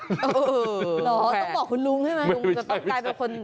หรอต้องบอกคุณลุงใช่ไหมลุงจะกลายเป็นคนตัดต่อแล้วหรอ